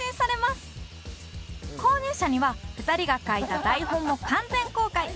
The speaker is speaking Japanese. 購入者には２人が書いた台本も完全公開